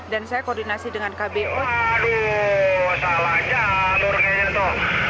dan saya koordinasi dengan kbo